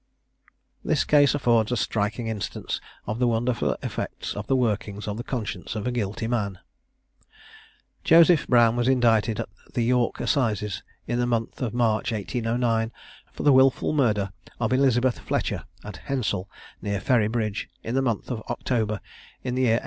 This case affords a striking instance of the wonderful effect of the workings of the conscience of a guilty man. Joseph Brown was indicted at the York Assizes in the month of March 1809, for the wilful murder of Elizabeth Fletcher at Hensal, near Ferry bridge, in the month of October, in the year 1804.